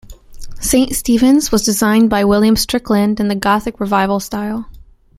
Saint Stephen's was designed by William Strickland in the Gothic revival style.